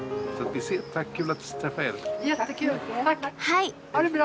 はい。